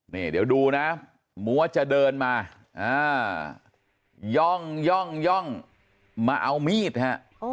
นี่เดี๋ยวดูนะมัวจะเดินมาย่องย่องมาเอามีดฮะ